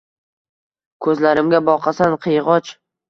Ko’zlarimga boqasan qiyg’och